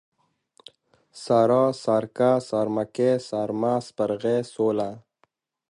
سارا ، سارکه ، سارمکۍ ، سارمه ، سپرغۍ ، سوله